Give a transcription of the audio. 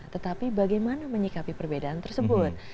tetapi bagaimana menyikapi perbedaan tersebut